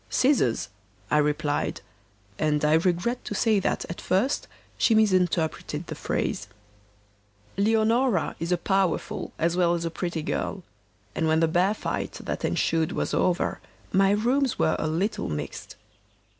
'Scissors,' I replied; and I regret to say that at first she misinterpreted the phrase. Leonora is a powerful as well as a pretty girl, and when the bear fight that ensued was over my rooms were a little mixed.